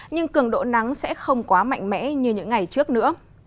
nhưng cường độ nắng sẽ không quá mạnh mẽ như những ngày trước nữa